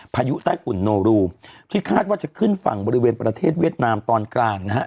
ยุใต้ฝุ่นโนรูที่คาดว่าจะขึ้นฝั่งบริเวณประเทศเวียดนามตอนกลางนะฮะ